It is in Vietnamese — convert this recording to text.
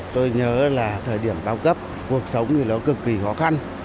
tôi nhớ là thời điểm cao cấp cuộc sống thì nó cực kỳ khó khăn